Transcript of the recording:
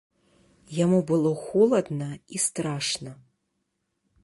Яму было холадна і страшна.